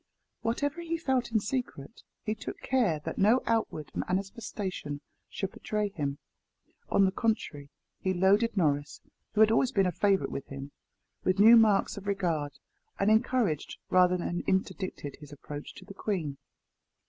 Whatever he felt in secret, he took care that no outward manifestation should betray him. On the contrary he loaded Norris, who had always been a favourite with him, with new marks of regard, and encouraged rather than interdicted his approach to the queen.